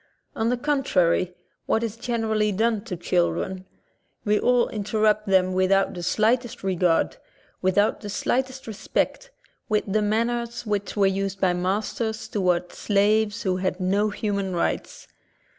On the contrary, what is generally i, done to children? We all interrupt them I without the slightest regard, without the / slightest respect, with the manners which j were used by masters toward slaves who had ' no human rights.